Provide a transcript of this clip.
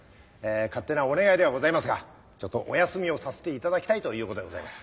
勝手なお願いではございますがちょっとお休みをさせていただきたいということでございます。